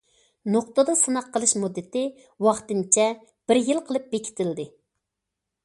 نۇقتىدا سىناق قىلىش مۇددىتى ۋاقتىنچە بىر يىل قىلىپ بېكىتىلدى.